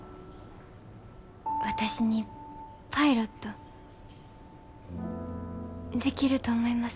私にパイロットできると思いますか？